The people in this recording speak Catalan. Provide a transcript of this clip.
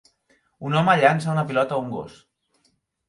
Un home llança una pilota a un gos.